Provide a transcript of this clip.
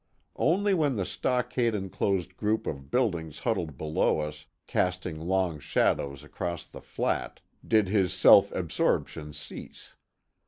Only when the stockade enclosed group of buildings huddled below us, casting long shadows across the flat, did his self absorption cease.